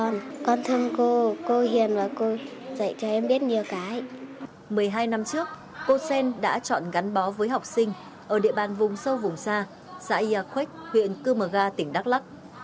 một mươi hai năm trước cô xen đã chọn gắn bó với học sinh ở địa bàn vùng sâu vùng xa xã yà khuếch huyện cư mờ ga tỉnh đắk lắc